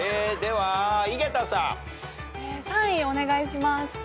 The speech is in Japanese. ３位お願いします。